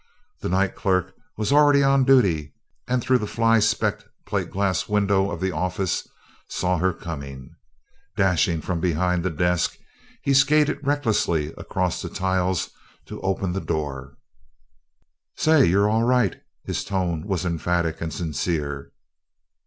The night clerk was already on duty and through the fly specked plate glass window of the office saw her coming. Dashing from behind the desk, he skated recklessly across the tiles to open the door. "Say you're all right!" His tone was emphatic and sincere.